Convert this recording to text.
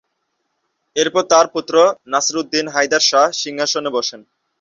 এরপর তার পুত্র নাসিরউদ্দিন হায়দার শাহ সিংহাসনে বসেন।